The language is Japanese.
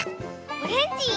オレンジ。